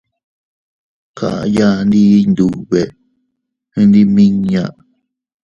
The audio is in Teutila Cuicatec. Kaʼya ndi Iyndube, ndimiña.